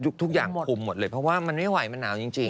ทุกอย่างคุมหมดเลยเพราะว่ามันไม่ไหวมันหนาวจริง